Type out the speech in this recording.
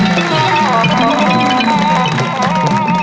กลับมารับทราบ